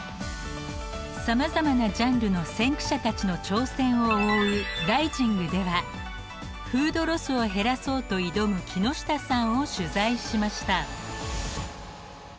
さまざまなジャンルの先駆者たちの挑戦を追う「ＲＩＳＩＮＧ」ではフードロスを減らそうと挑む木下さんを取材しました。